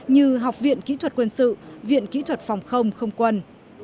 như học viện kỹ thuật quân sự viện kỹ thuật phòng không không quân